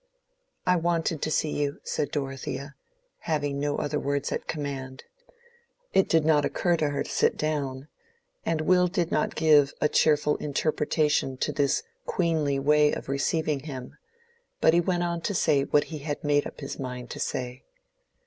"I wanted to see you," said Dorothea, having no other words at command. It did not occur to her to sit down, and Will did not give a cheerful interpretation to this queenly way of receiving him; but he went on to say what he had made up his mind to say.